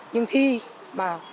nhưng thi mà